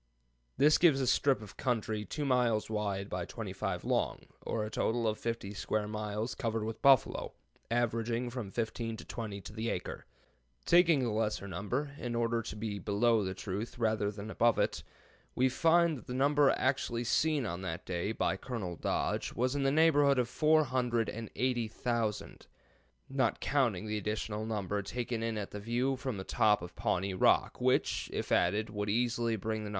This gives a strip of country 2 miles wide by 25 long, or a total of 50 square miles covered with buffalo, averaging from fifteen to twenty to the acre. Taking the lesser number, in order to be below the truth rather than above it, we find that the number actually seen on that day by Colonel Dodge was in the neighborhood of 480,000, not counting the additional number taken in at the view from the top of Pawnee Rock, which, if added, would easily bring the total up to a round half million!